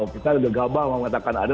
kita sudah gabah mengatakan ada